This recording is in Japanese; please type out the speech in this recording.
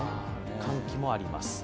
寒気もあります。